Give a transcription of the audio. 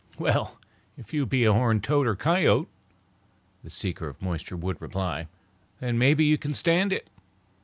"Well, if you be a horned toad or coyote," the seeker of moisture would reply, "then maybe you can stand it.